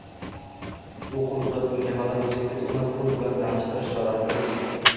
u qo‘l uzatguniga qadar o‘zingiz uni pul bilan tanishtirish chorasini ko'ring.